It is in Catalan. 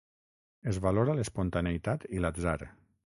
Es valora l'espontaneïtat i l'atzar.